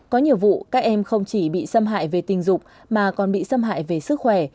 có nhiều vụ các em không chỉ bị xâm hại về tình dục mà còn bị xâm hại về sức khỏe